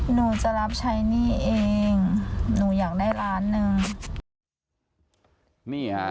หนูจะรับใช้หนี้เองหนูอยากได้ล้านหนึ่งนี่ฮะ